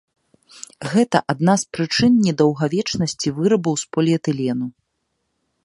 Гэта адна з прычын недаўгавечнасці вырабаў з поліэтылену.